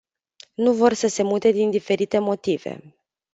Nu vor să se mute din diferite motive.